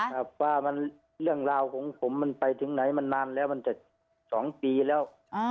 ครับว่าเรื่องราวของผมมันไปถึงไหนมันนานแล้วมันจะ๒ปีแล้ว